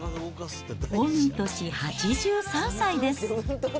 御年８３歳です。